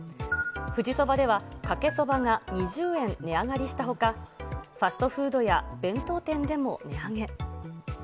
富士そばではかけそばが２０円値上がりしたほか、ファストフードや弁当店でも値上げ。